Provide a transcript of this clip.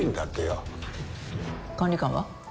管理官は？